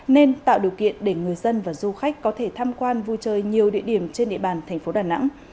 nên tạo điều kiện để người dân và du khách có thể tham quan vui chơi nhiều địa điểm trên địa bàn thành phố đà nẵng